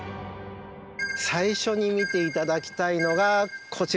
最初に見て頂きたいのがこちらです。